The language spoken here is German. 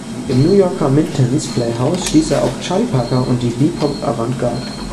Im New Yorker Minton’s Playhouse stieß er auf Charlie Parker und die Bebop-Avantgarde.